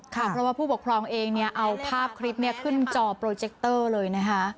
เพราะว่าผู้ปกครองเองเนี่ยเอาภาพคลิปนี้ขึ้นจอโปรเจคเตอร์เลยนะคะ